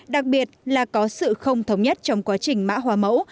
đặc biệt là có sự không thống nhất trong quá trình mã hóa mẫu